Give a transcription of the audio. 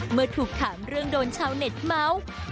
เมื่อถูกถามเรื่องโดนชาวเน็ตเมาส์